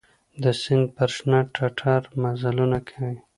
د سیند پر شنه ټټر مزلونه کوي